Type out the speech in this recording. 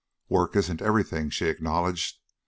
"Work isn't everything," she acknowledged.